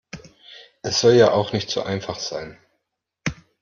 Es soll ja auch nicht zu einfach sein.